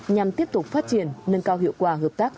nhằm tiếp tục phát triển nâng cao hiệu quả hợp tác